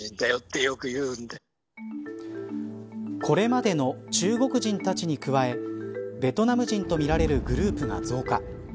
これまでの中国人たちに加えベトナム人とみられるグループが増加。